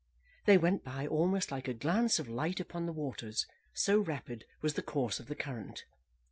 They went by almost like a glance of light upon the waters, so rapid was the course of the current.